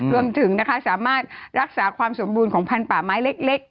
รวมถึงนะคะสามารถรักษาความสมบูรณ์ของพันธุ์ป่าไม้เล็ก